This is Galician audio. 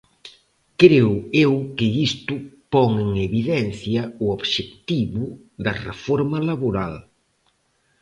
Creo eu que isto pon en evidencia o obxectivo da reforma laboral.